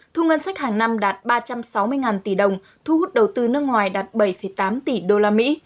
thu ngân sách hàng năm đạt ba trăm sáu mươi tỷ đồng thu hút đầu tư nước ngoài đạt bảy tám tỷ đô la mỹ